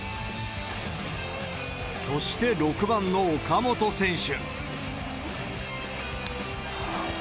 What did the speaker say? そして６番の岡本選手。